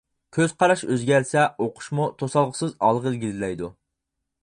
كۆز قاراش ئۆزگەرسە ئوقۇشمۇ توسالغۇسىز ئالغا ئىلگىرىلەيدۇ.